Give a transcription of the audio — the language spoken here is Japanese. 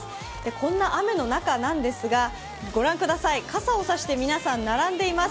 こんな雨の中なんですが、ご覧ください、傘を差して皆さん並んでいます。